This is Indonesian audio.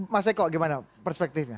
mas eko gimana perspektifnya